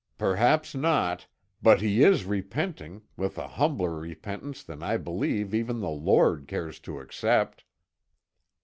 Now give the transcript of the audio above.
"Perhaps not; but he is repenting, with an humbler repentance than I believe even the Lord cares to accept."